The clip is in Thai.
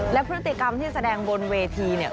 และพฤติกรรมที่แสดงบนเวทีเนี่ย